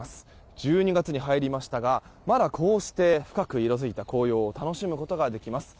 １２月に入りましたがまだこうして深く色づいた紅葉を楽しむことができます。